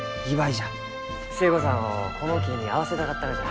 寿恵子さんをこの木に会わせたかったがじゃ。